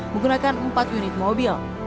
menggunakan empat unit mobil